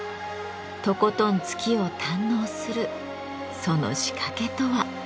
とことん月を堪能するその仕掛けとは。